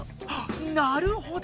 なるほど！